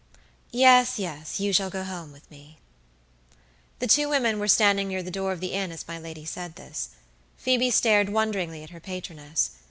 "Yes, yes; you shall go home with me." The two women were standing near the door of the inn as my lady said this. Phoebe stared wonderingly at her patroness.